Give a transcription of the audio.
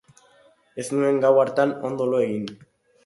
Ez nuen gau hartan ondo lo egin.